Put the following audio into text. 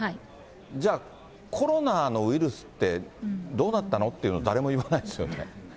じゃあ、コロナのウイルスってどうなったのっていうの、誰も言わないです